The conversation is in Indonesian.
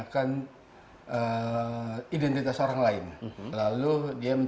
tukar lezat tv yang kristen ppa toko weld of sexual abuse in jakarta